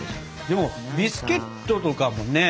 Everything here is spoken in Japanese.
でもビスケットとかもね